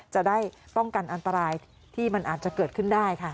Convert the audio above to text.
จะได้ป้องกันอันตรายที่มันอาจจะเกิดขึ้นได้ค่ะ